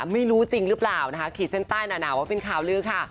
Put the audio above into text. ไม่รู้จริงหรือเปล่านะคะขีดเส้นใต้หนาวว่าเป็นข่าวลือค่ะ